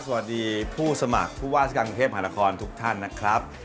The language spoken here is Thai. สวัสดีผู้สมัครผู้ว่าราชการกรุงเทพหานครทุกท่านนะครับ